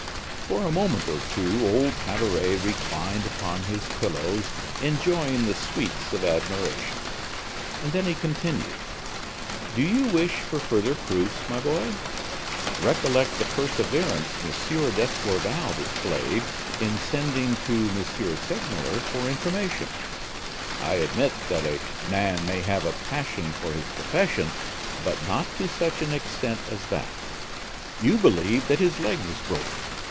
For a moment or two old Tabaret reclined upon his pillows enjoying the sweets of admiration; then he continued: "Do you wish for further proofs, my boy? Recollect the perseverance M. d'Escorval displayed in sending to M. Segmuller for information. I admit that a man may have a passion for his profession; but not to such an extent as that. You believed that his leg was broken.